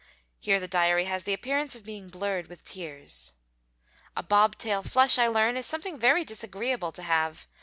[Here the diary has the appearance of being blurred with tears.] A bob tail flush, I learn, is something very disagreeable to have.